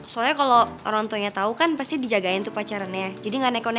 soalnya kalo orang tuanya tau kan pasti dijagain tuh pacarannya jadi ga neko neko